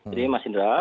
jadi mas indra